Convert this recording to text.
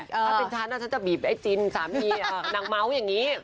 ถ้าเป็นฉันฉันจะบีบไอ้จินสามีนางเมาส์อย่างนี้